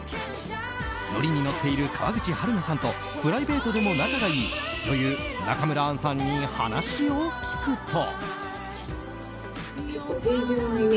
ノリに乗っている川口春奈さんとプライベートでも仲がいい女優・中村アンさんに話を聞くと。